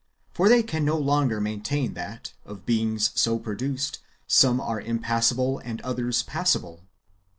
For they can no longer maintain that, of beings so produced, some are impassible and others passible.